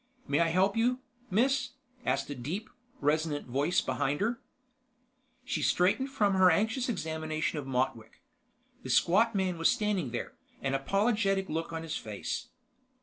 "May I help you, Miss?" asked a deep, resonant voice behind her. She straightened from her anxious examination of Motwick. The squat man was standing there, an apologetic look on his face.